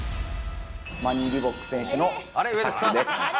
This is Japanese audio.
マニー・リボック選手のタックルです。